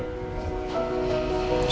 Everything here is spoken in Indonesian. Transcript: kamu yang kuat